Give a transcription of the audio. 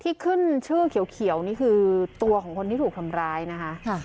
ที่ขึ้นชื่อเขียวนี่คือตัวของคนที่ถูกทำร้ายนะคะ